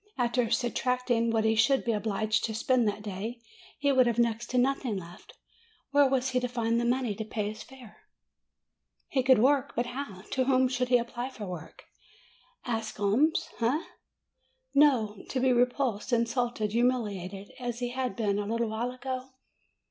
After subtracting what he should be obliged to spend that day, he would have next to nothing left. Where was he to find the money to pay his fare? He could work but how? To whom should he apply for .work ? Ask alms ? Ah, 270 MAY no! To be repulsed, insulted, humiliated, as he had been a little while ago?